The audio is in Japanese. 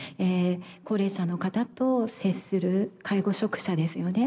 高齢者の方と接する介護職者ですよね